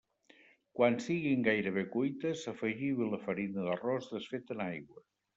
Quan siguin gairebé cuites, afegiu-hi la farina d'arròs desfeta en aigua.